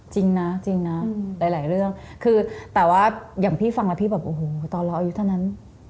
จริงนะจริงนะหลายเรื่องคือแต่ว่าอย่างพี่ฟังแล้วพี่แบบโอ้โหตอนเราอายุเท่านั้น